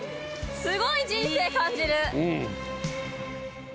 すごい人生感じる。